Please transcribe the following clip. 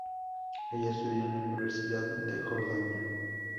Ella estudió en la Universidad de Jordania.